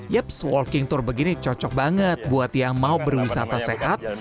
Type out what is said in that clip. yeps walking tour begini cocok banget buat yang mau berwisata sehat